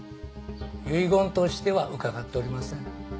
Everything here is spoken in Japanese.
遺言としては伺っておりません。